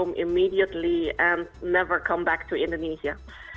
dan tidak pernah kembali ke indonesia